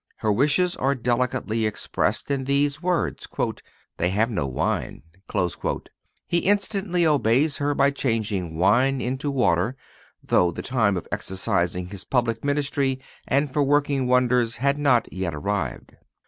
Her wishes are delicately expressed in these words: "They have no wine." He instantly obeys her by changing water into wine, though the time for exercising His public ministry and for working wonders had not yet arrived.